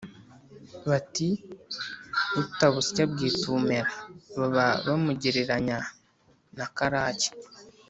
bati: “Utabusya abwita ubumera!” Baba bamugereranya na Karake